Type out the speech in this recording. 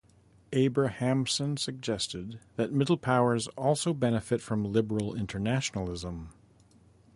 Abrahamsen suggested that middle powers also benefit from liberal internationalism.